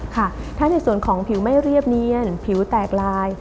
ค่ะถ้าในส่วนของผิวไม่เรียบเนียนผิวแตกลาย